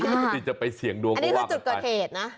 อันนี้คือจุดกระเทศนะ